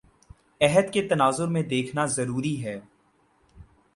عہد کے تناظر میں دیکھنا ضروری ہے